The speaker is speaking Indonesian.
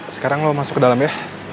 sekarang lo masuk ke dalam ya